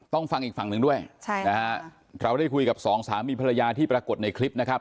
ฟังอีกฝั่งหนึ่งด้วยใช่นะฮะเราได้คุยกับสองสามีภรรยาที่ปรากฏในคลิปนะครับ